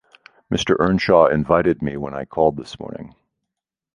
Mr. Earnshaw invited me, when I called this morning.